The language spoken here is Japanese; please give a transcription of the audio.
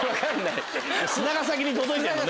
砂が先に届いてるのね。